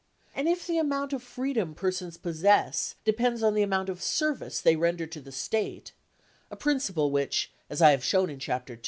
And if the amount of freedom persons possess depends on the amount of service they render to the State (a principle which, as I have shown in Chapter II.